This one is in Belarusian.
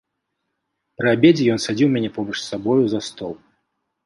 Пры абедзе ён садзіў мяне побач з сабою за стол.